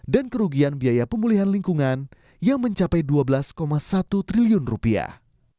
dan kerugian biaya pemulihan lingkungan yang mencapai dua belas satu triliun rupiah